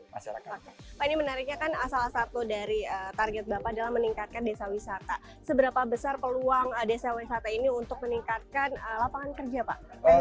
pak ini menariknya kan salah satu dari target bapak adalah meningkatkan desa wisata seberapa besar peluang desa wisata ini untuk meningkatkan lapangan kerja pak